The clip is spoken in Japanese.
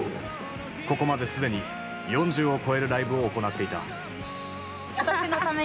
ここまで既に４０を超えるライブを行っていた。